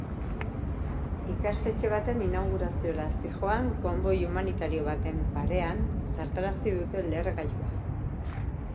Ikastetxe baten inauguraziora zihoan konboi humanitario baten parean zartarazi dute lehergailua.